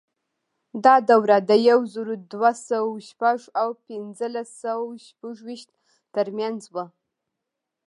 دا دوره د یو زر دوه سوه شپږ او پنځلس سوه شپږویشت ترمنځ وه.